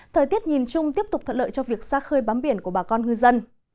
thời tiết nhìn chung tiếp tục thuận lợi cho việc xa khơi bám biển của bà con ngư dân